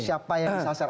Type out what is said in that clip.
siapa yang disasar